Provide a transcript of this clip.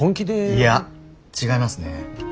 いや違いますね。